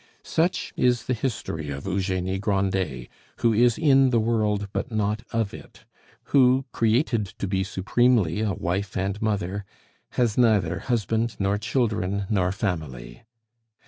Such is the history of Eugenie Grandet, who is in the world but not of it; who, created to be supremely a wife and mother, has neither husband nor children nor family.